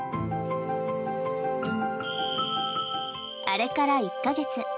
あれから１か月。